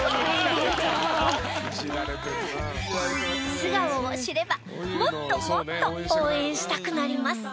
素顔を知れば、もっともっと応援したくなります！